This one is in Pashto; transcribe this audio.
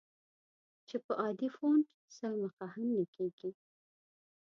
چې په عادي فونټ سل مخه هم نه کېږي.